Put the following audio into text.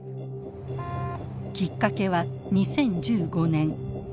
きっかけは２０１５年。